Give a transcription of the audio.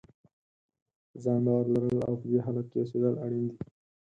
په ځان باور لرل او په دې حالت کې اوسېدل اړین دي.